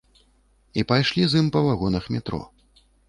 І пайшлі з ім па вагонах метро.